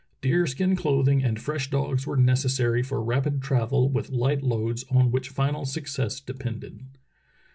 Deerskin clothmg and fresh dogs were necessary for rapid travel with light loads on which final success depended.